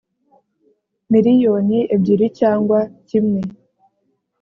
miliyoni ebyiri cyangwa kimwe